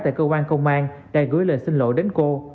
tại cơ quan công an đã gửi lời xin lỗi đến cô